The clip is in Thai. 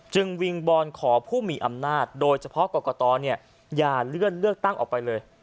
วิงบอนขอผู้มีอำนาจโดยเฉพาะกรกตอย่าเลื่อนเลือกตั้งออกไปเลย